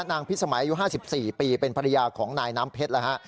นางพิษสมัยอยู่๕๔ปีเป็นภรรยาของนายน้ำเพชรนะฮะ